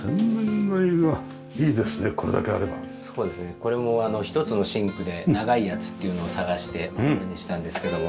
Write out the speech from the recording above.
これも１つのシンクで長いやつっていうのを探してこれにしたんですけども。